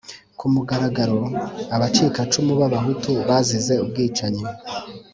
ku mugaragaro abacikacumu b'abahutu bazize ubwicanyi